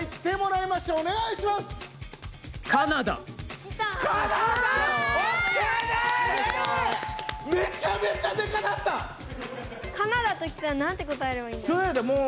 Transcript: カナダときたらなんて答えればいいんだろう。